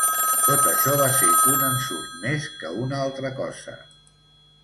Tot això va ser un ensurt més que una altra cosa.